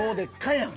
やん。